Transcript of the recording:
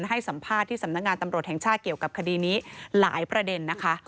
ให้สัมภาษณ์ที่สำนักงานตำรวจแห่งชาติเกี่ยวกับคดีนี้หลายประเด็นนะคะ